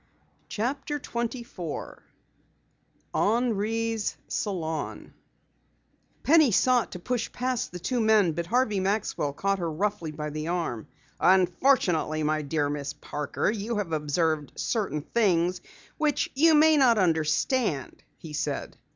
CHAPTER 24 HENRI'S SALON Penny sought to push past the two men, but Harvey Maxwell caught her roughly by the arm. "Unfortunately, my dear Miss Parker, you have observed certain things which you may not understand," he said.